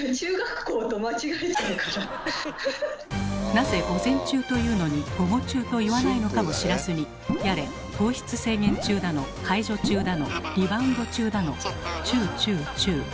なぜ「午前中」と言うのに「午後中」と言わないのかも知らずにやれ「糖質制限中」だの「解除中」だの「リバウンド中」だのチュウチュウチュウ。